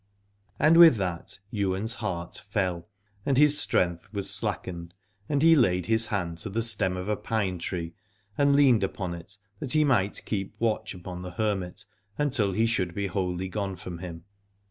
And with that Ywain's heart fell, and his strength was slackened, and he laid his hand to the stem of a pine tree and leaned upon it, that he might keep watch upon the hermit until he should be wholly gone from him.